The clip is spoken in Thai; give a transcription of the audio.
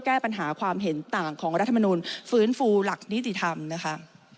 แก้ปัญหาความเห็นต่างของรัฐมนุนฟื้นฟูหลักนิติธรรมนะคะ